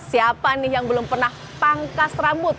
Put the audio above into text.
siapa nih yang belum pernah pangkas rambut